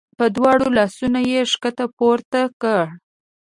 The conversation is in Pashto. په دواړو لاسونو یې ښکته پورته کړ.